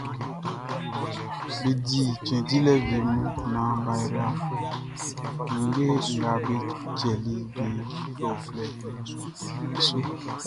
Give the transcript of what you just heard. Be di cɛn dilɛ wie mun naan bʼa yra ninnge nga be kpɛli be uflɛuflɛʼn be su.